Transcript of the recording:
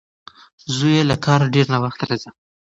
زوی یې له کاره ډېر ناوخته راځي.